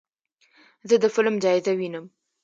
زه د فلم جایزه وینم.